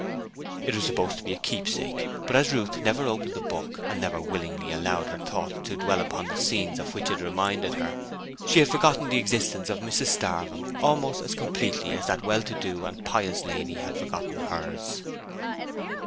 It was supposed to be a keepsake, but as Ruth never opened the book and never willingly allowed her thoughts to dwell upon the scenes of which it reminded her, she had forgotten the existence of Mrs Starvem almost as completely as that well to do and pious lady had forgotten hers.